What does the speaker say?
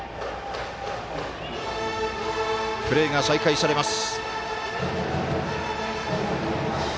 プレーが再開されます。